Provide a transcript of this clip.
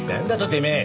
てめえ！